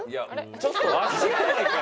ちょっとわしやないかい。